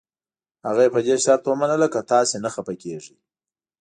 هغه یې په دې شرط ومنله که تاسي نه خفه کېږئ.